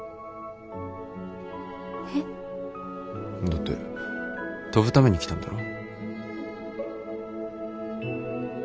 だって飛ぶために来たんだろ？